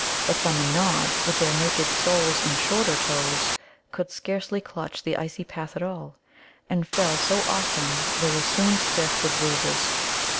But Thumb and Nod, with their naked soles and shorter toes, could scarcely clutch the icy path at all, and fell so often they were soon stiff with bruises.